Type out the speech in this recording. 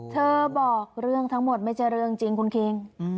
เธอบอกเรื่องทั้งหมดไม่ใช่เรื่องจริงคุณคิง